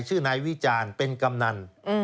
ชื่อนายวิจารณ์เป็นกำนัน